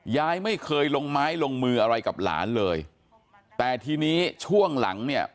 ยายไม่เคยลงไม้ลงมืออะไรกับหลานเลยแต่ทีนี้ช่วงหลังเนี่ย